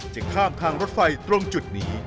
ข้ามทางรถไฟตรงจุดนี้